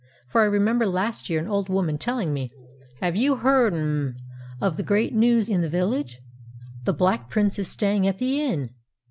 For I remember last year an old woman telling me, "Have you heard, m'm, of the great news in the village? The Black Prince is staying at the Inn!